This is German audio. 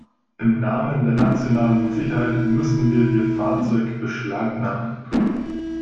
Im Namen der nationalen Sicherheit müssen wir Ihr Fahrzeug beschlagnahmen!